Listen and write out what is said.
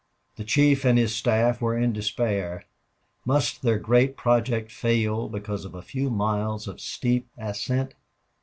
The chief and his staff were in despair. Must their great project fail because of a few miles of steep ascent?